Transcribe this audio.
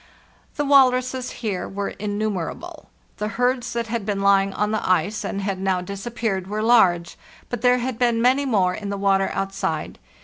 The walruses here were innumerable. The herds that had been lying on the ice and had now disappeared were large; but there had been many more in the water outside.